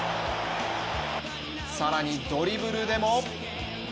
更にドリブルでも。